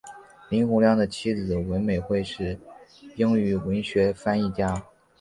林洪亮的妻子文美惠是英语文学翻译家。